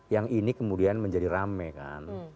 yang ini kemudian menjadi rame kan